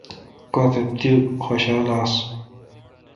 کوتھ تی حوشہ آستہ